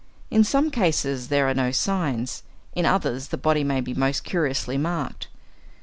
In some cases there are no signs; in others the body may be most curiously marked.